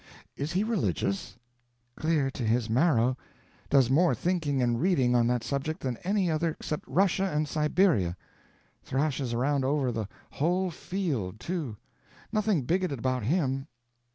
Is he religious?" "Clear to his marrow—does more thinking and reading on that subject than any other except Russia and Siberia: thrashes around over the whole field, too; nothing bigoted about him."